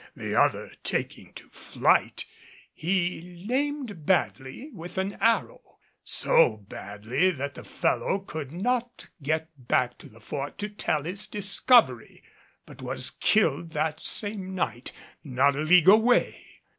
The other, taking to flight, he lamed badly with an arrow, so badly that the fellow could not get back to the fort to tell his discovery, but was killed that same night not a league away.